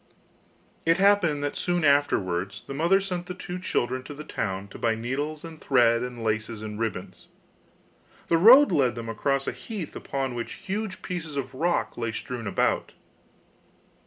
It happened that soon afterwards the mother sent the two children to the town to buy needles and thread, and laces and ribbons. The road led them across a heath upon which huge pieces of rock lay strewn about.